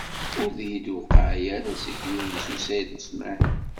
Ur iyi-d-tewqiɛ ara seg Yunes u Saɛid u Smaɛil.